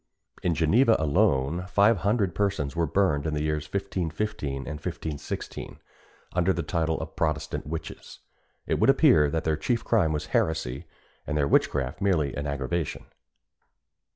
In Geneva alone five hundred persons were burned in the years 1515 and 1516, under the title of Protestant witches. It would appear that their chief crime was heresy, and their witchcraft merely an aggravation.